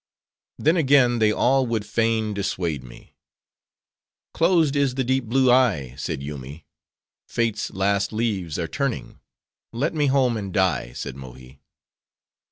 Then again they all would fain dissuade me. "Closed is the deep blue eye," said Yoomy. "Fate's last leaves are turning, let me home and die," said Mohi.